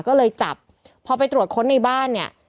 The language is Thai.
ก็เลยจับพอไปตรวจค้นในบ้านเนี่ย